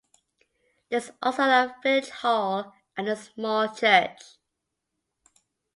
There is also a village hall and a small church.